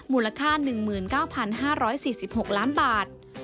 มูลค่า๑๙๕๔๖ล้านบาท